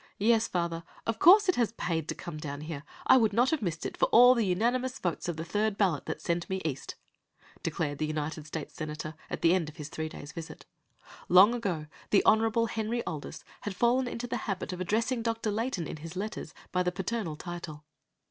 "Yes, father, of course it has paid to come down here. I would not have missed it for all the unanimous votes of the third ballot that sent me East," declared the United States senator at the end of his three days' visit. Long ago, the Hon. Henry Aldis had fallen into the habit of addressing Dr. Layton, in his letters, by the paternal title.